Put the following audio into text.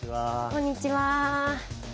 こんにちは。